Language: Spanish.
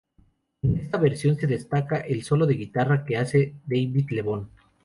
En esta versión se destaca el solo de guitarra que hace David Lebón.